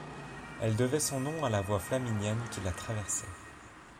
Elle devait son nom à la voie Flaminienne qui la traversait.